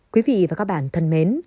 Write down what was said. quý vị và các bạn thân mến